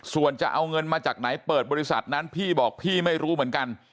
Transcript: ส่วนจะเอาเงินมาจากไหนเปิดบริษัทนั้นพี่บอกพี่ไม่รู้เหมือนกัน